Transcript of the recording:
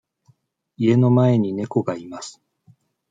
家の前に猫がいます。